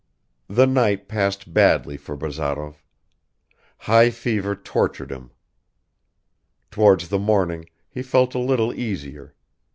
The night passed badly for Bazarov ... High fever tortured him. Towards the morning he felt a little easier.